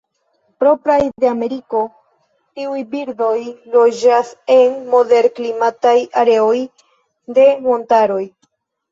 Propraj de Ameriko, tiuj birdoj loĝas en moderklimataj areoj de montaroj.